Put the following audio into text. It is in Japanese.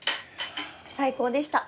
最高でした。